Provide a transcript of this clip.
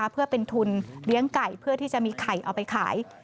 เพื่อเป็นทุนเลี้ยงไก่เพื่อที่จะมีไข่เอาไปขาย